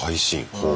ほう。